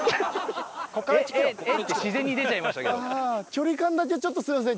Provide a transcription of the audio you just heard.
距離感だけちょっとすいません